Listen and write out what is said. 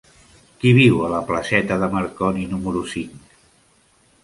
Qui viu a la placeta de Marconi número cinc?